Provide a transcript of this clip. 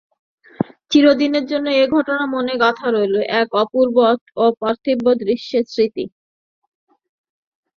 চিরদিনের জন্য এ ঘটনা মনে গাঁথা রহিল, এক অপূর্ব অপার্থিব দৃশ্যের স্মৃতি।